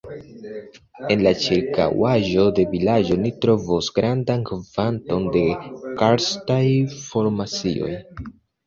En la ĉirkaŭaĵo de vilaĝo ni trovos grandan kvanton de karstaj formacioj.